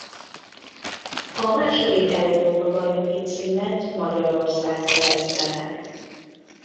A második Európa-bajnoki címet Magyarország szerezte meg.